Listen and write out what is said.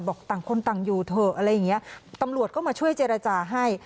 ต่างคนต่างอยู่เถอะอะไรอย่างเงี้ยตำรวจก็มาช่วยเจรจาให้